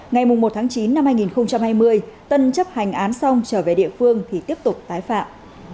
ngày một tháng chín năm hai nghìn hai mươi tân chấp hành án xong trở về địa phương thì tiếp tục tái phạm